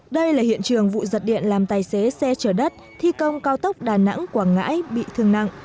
đây là hiện trường vụ giật điện làm tài xế xe chở đất thi công cao tốc đà nẵng quảng ngãi bị thương nặng